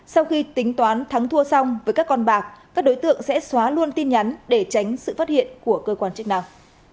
sau khi tính toán thắng thua xong với các con bạc các đối tượng sẽ xóa luôn tin nhắn để tránh sự phát hiện của cơ quan chức năng